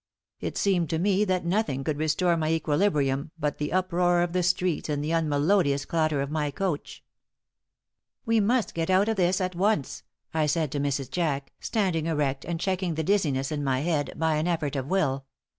It seemed to me that nothing could restore my equilibrium but the uproar of the streets and the unmelodious clatter of my coach. "We must get out of this at once," I said to Mrs. Jack, standing erect and checking the dizziness in my head by an effort of will.